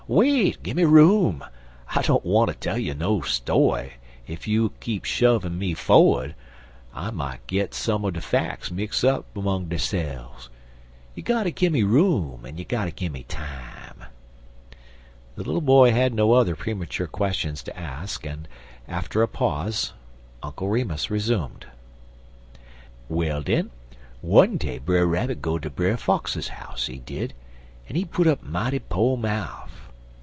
Wait! Gimme room! I don't wanter tell you no story, en ef you keep shovin' me forrerd, I mout git some er de facks mix up 'mong deyse'f. You gotter gimme room en you gotter gimme time." The little boy had no other premature questions to ask, and, after a pause, Uncle Remus resumed: "Well, den, one day Brer Rabbit go ter Brer Fox house, he did, en he put up mighty po' mouf.